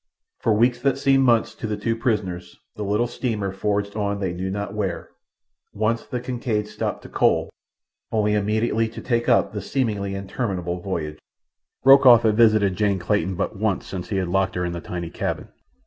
For weeks that seemed months to the two prisoners the little steamer forged on they knew not where. Once the Kincaid stopped to coal, only immediately to take up the seemingly interminable voyage. Rokoff had visited Jane Clayton but once since he had locked her in the tiny cabin.